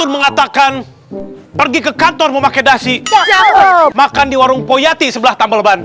mengatakan pergi ke kantor memakai dasi makan di warung poyatti sebelah tambelban